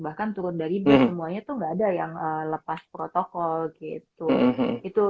bahkan turun dari bis semuanya tuh gak ada yang lepas protokol gitu